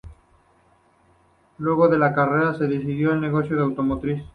Luego de su carrera se dedicó al negocio automotriz.